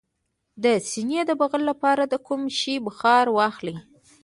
د سینې د بغل لپاره د کوم شي بخار واخلئ؟